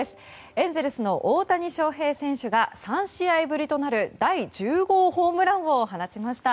エンゼルスの大谷翔平選手が３試合ぶりとなる第１０号ホームランを放ちました。